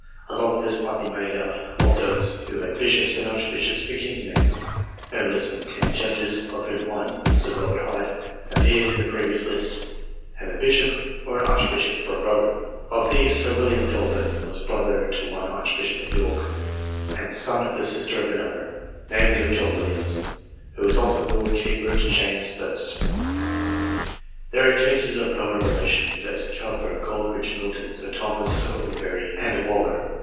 A long list might be made out of those who had bishops and archbishops for kinsmen. No less than ten judges of whom one, Sir Robert Hyde, appeared in the previous list have a bishop or an arch bishop for a brother. Of these, Sir William Dolben was brother to one Archbishop of York and son of the sister of another, namely of John Williams, who was also the Lord Keeper to James I. There are cases of Poet relations, as Cowper, Coleridge, Milton, Sir Thomas Overbury, and Waller.